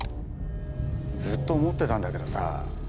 ずっと思ってたんだけどさぁ。